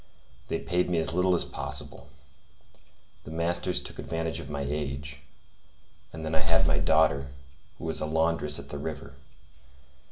They paid me as little as possible. The masters took advantage of my age—and then I had my daughter, who was a laundress at the river.